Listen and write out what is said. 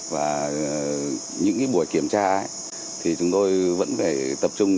và những buổi kiểm tra thì chúng tôi vẫn phải tập trung